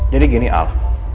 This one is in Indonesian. jadi gini al